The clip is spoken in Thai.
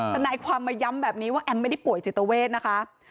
ทนายความมาย้ำแบบนี้ว่าแอมไม่ได้ป่วยจิตเวทนะคะ